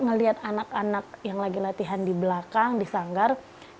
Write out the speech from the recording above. ngelihat anak anak yang lagi latihan di belakang di sanggar